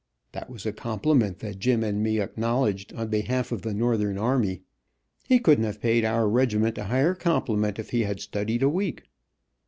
That was a compliment that Jim and me acknowledged on behalf of the northern army. He couldn't have paid our regiment a higher compliment if he had studied a week.